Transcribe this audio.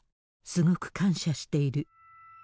すごく感謝している。